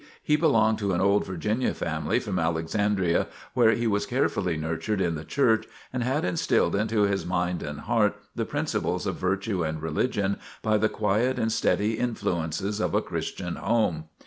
He belonged to an old Virginia family from Alexandria where he was carefully nurtured in the Church and had instilled into his mind and heart the principles of virtue and religion by the quiet and steady influences of a Christian home.